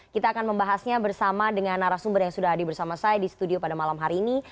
kita akan membahasnya bersama dengan narasumber yang sudah hadir bersama saya di studio pada malam hari ini